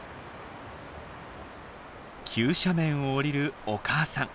急斜面を下りるお母さん。